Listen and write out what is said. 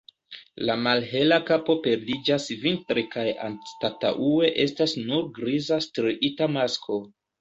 La malhela kapo perdiĝas vintre kaj anstataŭe estas nur griza striita masko.